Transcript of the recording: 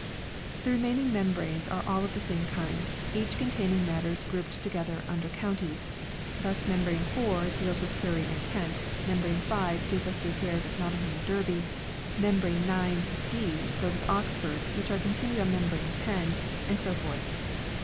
1 The remaining membranes are all of the same kind, each containing matters grouped together under counties. Thus membrane 4 deals with Surrey and Kent, membrane 5 gives us the affairs of Nottingham and Derby, membrane 9 " d " those of Oxford, which are continued on membrane 10 ; and so forth.